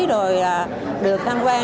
rồi được tham quan